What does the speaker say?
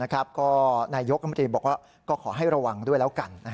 ก็นายกรมตรีบอกว่าก็ขอให้ระวังด้วยแล้วกัน